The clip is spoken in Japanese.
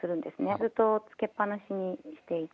ずっとつけっぱなしにしていて、